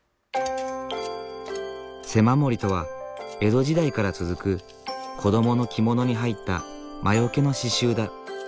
背守りとは江戸時代から続く子どもの着物に入った魔よけの刺しゅうだ。